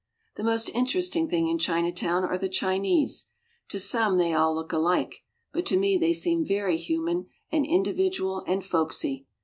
The most interesting thing in Chinatown are the Chinese. To some they all look alike, but to me they seem very human and individual and folksy.